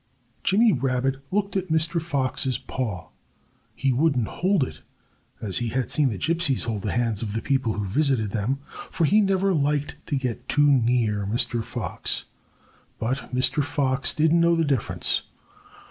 Jimmy Rabbit looked at Mr. Fox's paw. He wouldn't hold it, as he had seen the gypsies hold the hands of the people who visited them, for he never liked to get too near Mr. Fox. But Mr. Fox didn't know the difference.